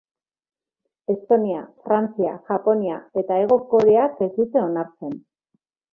Estonia, Frantzia, Japonia eta Hego Koreak ez dute onartzen.